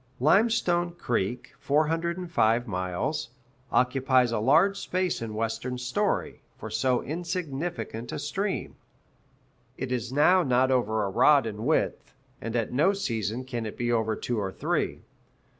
Limestone Creek (405 miles) occupies a large space in Western story, for so insignificant a stream. It is now not over a rod in width, and at no season can it be over two or three.